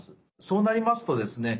そうなりますとですね